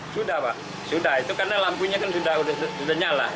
sudah pak sudah itu karena lampunya kan sudah nyala